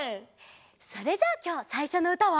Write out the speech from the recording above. それじゃあきょうさいしょのうたは。